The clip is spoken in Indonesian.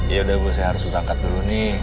yaudah bu saya harus udah angkat dulu nih